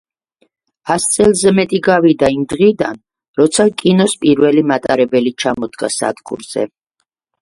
ას წელზე მეტი გავიდა იმ დღიდან, როცა კინოს პირველი მატარებელი ჩამოდგა სადგურზე.